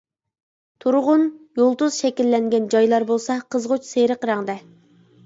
تۇرغۇن يۇلتۇز شەكىللەنگەن جايلار بولسا قىزغۇچ سېرىق رەڭدە.